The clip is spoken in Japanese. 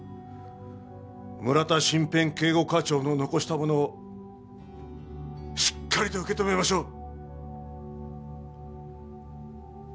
村田身辺警護課長の遺したものをしっかりと受け止めましょう。